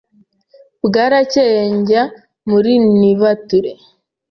bwaracyeye njya muri nibature,